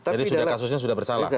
jadi sudah kasusnya sudah bersalah